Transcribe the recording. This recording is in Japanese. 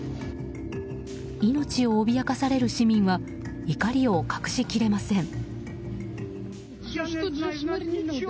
命を脅かされる市民は怒りを隠しきれません。